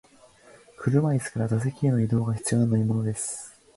車椅子から座席への移動が必要な乗り物です。